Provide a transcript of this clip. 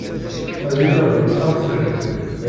Ad iliɣ deg texxamt-iw.